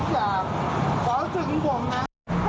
ทำงานวิจัยของผมน่ะ